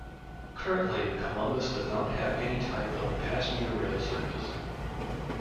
Currently, Columbus does not have any type of passenger rail service.